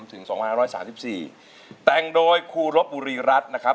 ถึงสองพันร้อยสามสิบสี่แต่งโดยครูลบบุรีรัฐนะครับ